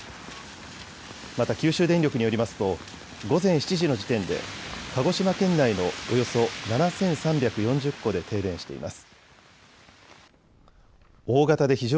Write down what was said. また九州電力によりますと午前７時の時点で鹿児島県内のおよそ７３４０戸で停電しています。